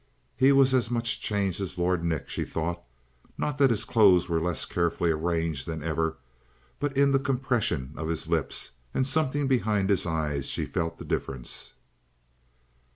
He was as much changed as Lord Nick, she thought. Not that his clothes were less carefully arranged than ever, but in the compression of his lips and something behind his eyes she felt the difference.